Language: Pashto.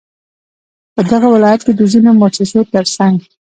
په دغه ولايت كې د ځينو مؤسسو ترڅنگ